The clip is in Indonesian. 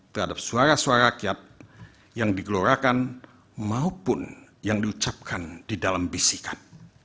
terhadap suara suara rakyat yang digelorakan maupun yang diucapkan di dalam bisikan